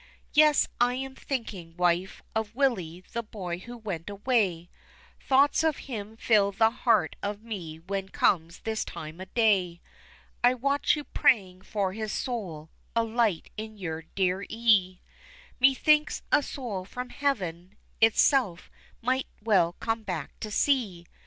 Yes, I'm thinking, wife, of Willie, the boy who went away Thoughts of him fill the heart of me when comes this time of day. I watch you praying for his soul, a light in your dear e'e, Methinks a soul from heaven itself might well come back to see.